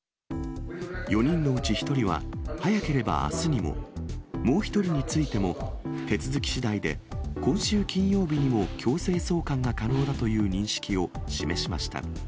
４人のうち１人は、早ければあすにも、もう１人についても、手続きしだいで今週金曜日にも強制送還が可能だという認識を示しました。